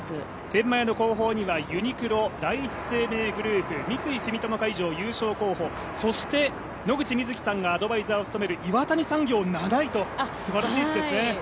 天満屋の後方にはユニクロ、第一生命グループ、三井住友海上優勝候補そして、野口みずきさんがアドバイザーを務める岩谷産業、７位とすばらしい位置ですね。